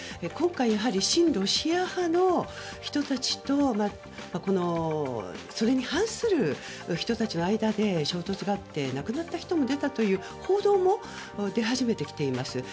今回、親ロシア派の人たちとそれに反する人たちの間で衝突があって亡くなった人も出たという報道も出始めてきています。